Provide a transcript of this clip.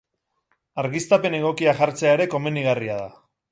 Argiztapen egokia jartzea ere komenigarria da.